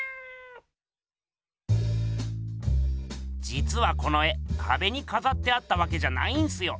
じつはこの絵かべにかざってあったわけじゃないんすよ。